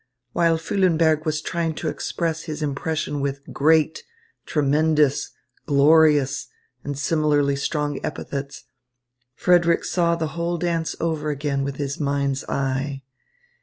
While Füllenberg was trying to express his impression with "great," "tremendous," "glorious," and similarly strong epithets, Frederick saw the whole dance over again with his mind's eye.